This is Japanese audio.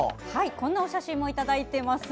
こんなお写真もいただいています。